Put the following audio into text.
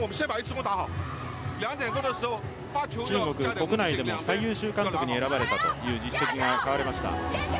中国国内でも最優秀監督に選ばれた実績が買われました。